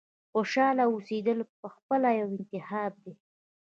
• خوشحاله اوسېدل پخپله یو انتخاب دی.